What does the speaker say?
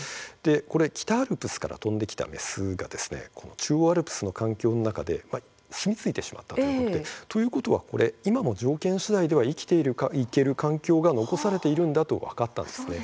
北アルプスから飛んできた雌が中央アルプスの環境の中で住み着いてしまったということで今も条件次第では生きていける環境が残されているんだと分かったんです。